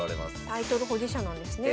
タイトル保持者なんですね。